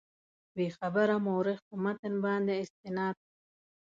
بېخبره مورخ په متن باندې استناد.